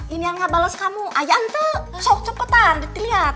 ini yang gak bales kamu ayah anto sok cepetan dilihat